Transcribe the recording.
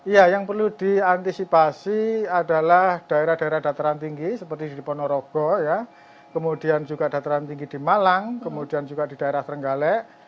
ya yang perlu diantisipasi adalah daerah daerah dataran tinggi seperti di ponorogo kemudian juga dataran tinggi di malang kemudian juga di daerah trenggalek